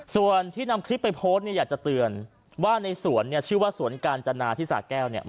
ส่วนที่นำคลิปไปโพสต์เนี่ยอยากจะเตือนว่าในสวนเนี่ยชื่อว่าสวนกาญจนาที่สาแก้วเนี่ย